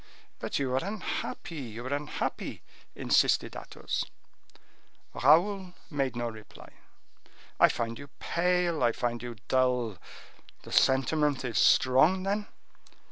"But you are unhappy! you are unhappy!" insisted Athos. Raoul made no reply. "I find you pale; I find you dull. The sentiment is strong, then?"